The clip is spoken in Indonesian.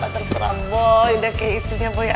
terserah boy udah kayak istrinya boy aja